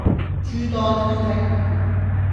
諸多挑剔